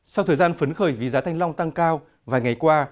sau thời gian phấn khởi vì giá thanh long tăng cao vài ngày qua